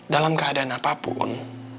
dalam keadaan apapun